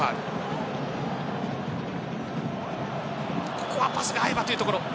ここはパスが合えばというところ。